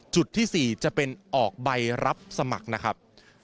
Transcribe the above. จุดที่๔จะเป็นออกใบรับสมัครนะครับ